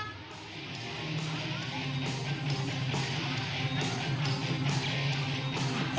กระนกหลัก